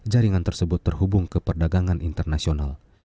jaringan tersebut terhubung ke perdagangan internasional